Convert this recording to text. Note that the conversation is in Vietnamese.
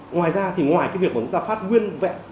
ngoài ra ngoài việc chúng ta phát nguyên vẹn